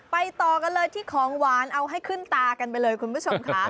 ต่อกันเลยที่ของหวานเอาให้ขึ้นตากันไปเลยคุณผู้ชมค่ะ